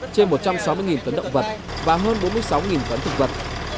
trên một trăm sáu mươi tấn động vật và hơn bốn mươi sáu tấn thực vật